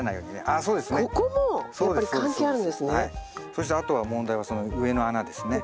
そしてあとは問題はその上の穴ですね。